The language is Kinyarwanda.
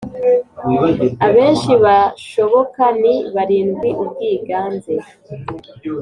abenshi bashoboka ni barindwi Ubwiganze